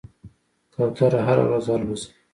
کوتره هره ورځ الوځي.